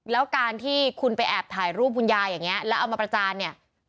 แล้วการที่คุณไปแอบถ่ายรูปคุณยายอย่างนี้แล้วเอามาประจานเนี่ย